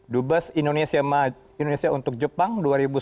dubas indonesia untuk jepang